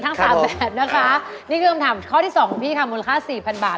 ทั้ง๓แบบนะคะนี่คือคำถามข้อที่๒ของพี่ค่ะมูลค่า๔๐๐๐บาท